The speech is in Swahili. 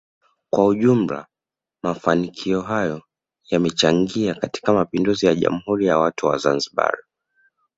kwa ujumla mafanikio hayo yamechangia katika mapinduzi ya jamhuri ya watu wa Zanzibar